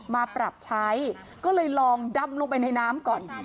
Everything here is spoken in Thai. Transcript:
มาปรับใช้ก็เลยลองดำลงไปในน้ำก่อน